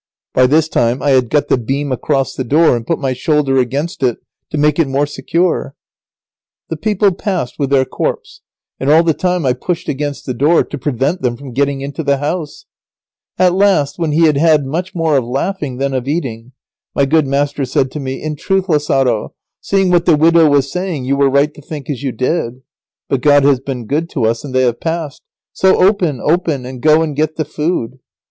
By this time I had got the beam across the door and put my shoulder against it, to make it more secure. [Sidenote: Lazaro barring the door.] The people passed with their corpse, and all the time I pushed against the door, to prevent them from getting into the house. At last, when he had had much more of laughing than of eating, my good master said to me, "In truth, Lazaro, seeing what the widow was saying, you were right to think as you did. But God has been good to us, and they have passed. So open, open, and go and get the food."